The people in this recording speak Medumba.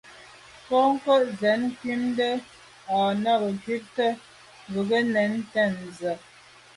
Bwɔ́ŋkə́’ cɛ̌d cúptə́ â nə̀ cúptə́ bú gə́ tɛ̌n zí.